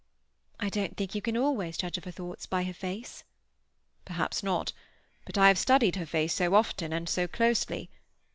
"I don't think you can always judge of her thoughts by her face." "Perhaps not. But I have studied her face so often and so closely.